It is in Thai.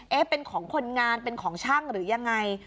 เป็นของคนงานเป็นของช่างหรือยังไง